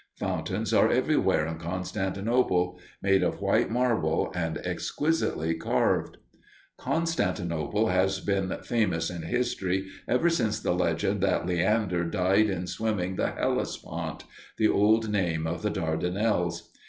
Fountains are everywhere in Constantinople, made of white marble and exquisitely carved. Constantinople has been famous in history ever since the legend that Leander died in swimming the Hellespont, the old name of the Dardanelles.